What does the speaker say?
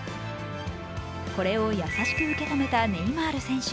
これを優しく受け止めたネイマール選手。